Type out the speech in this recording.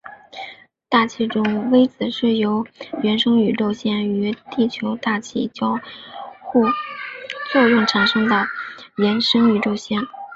大气中微子是由原生宇宙线与地球大气交互作用产生的衍生宇宙线。